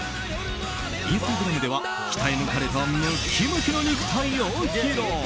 インスタグラムでは鍛え抜かれたムッキムキの肉体を披露。